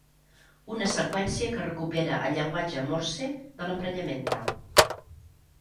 Una seqüència que recupera el llenguatge Morse de l'emprenyamenta.